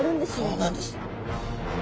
そうなんです。